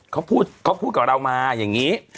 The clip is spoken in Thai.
เขาพูดกับเรามาอย่างนี้